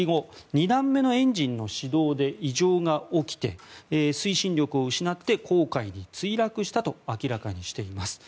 ２段目のエンジンの始動で異常が起きて推進力を失って黄海に墜落したと明らかにしています。